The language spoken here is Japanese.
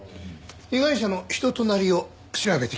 被害者の人となりを調べてきます。